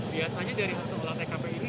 biasanya dari hasil olah tkp ini